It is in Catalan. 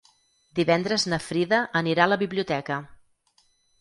Divendres na Frida anirà a la biblioteca.